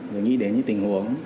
rồi nghĩ đến những tình huống